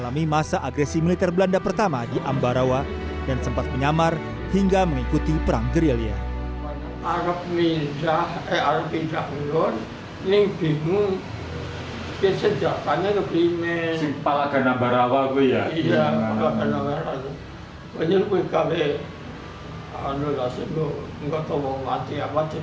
bagi martoyo pengalaman yang paling berkesan adalah saat berpatroli di wilayah cilacap